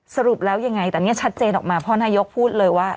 สรุปแล้วยังไงแต่เนี่ยชัดเจนออกมาเพราะนายกพูดเลยว่า